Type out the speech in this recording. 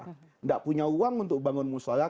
tidak punya uang untuk bangun musola